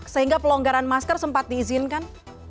sehingga pelonggaran masker sempat diizinkan